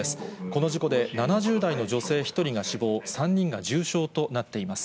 この事故で７０代の女性１人が死亡、３人が重傷となっています。